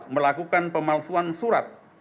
dua melakukan pemalsuan surat